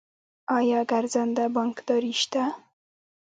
آیا ګرځنده بانکداري شته؟